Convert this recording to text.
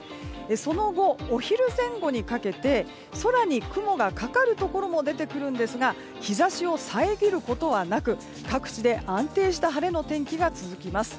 その後、お昼前後にかけて空に雲がかかるところも出てくるんですが日差しを遮ることはなく各地で安定した晴れの天気が続きます。